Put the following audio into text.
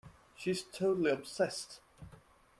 She's totally obsessed.